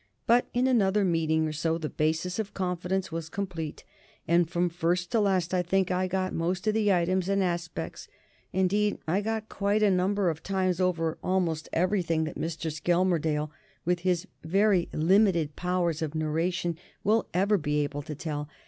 But in another meeting or so the basis of confidence was complete; and from first to last I think I got most of the items and aspects indeed, I got quite a number of times over almost everything that Mr. Skelmersdale, with his very limited powers of narration, will ever be able to tell.